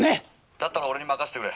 「だったら俺に任せてくれ。